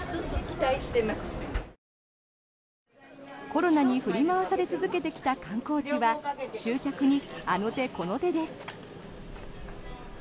コロナに振り回され続けてきた観光地は集客にあの手この手です。